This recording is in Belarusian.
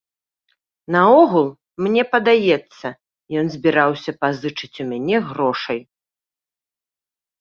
Наогул, мне падаецца, ён збіраўся пазычыць у мяне грошай.